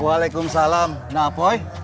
waalaikumsalam nah boy